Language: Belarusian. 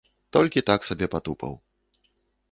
Толькі так сабе патупаў.